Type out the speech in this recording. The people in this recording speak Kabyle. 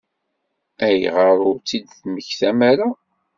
Ayɣer ur tt-id-temmektam ara?